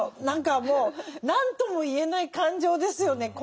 何かもう何とも言えない感情ですよね。